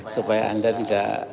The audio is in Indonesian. supaya anda tidak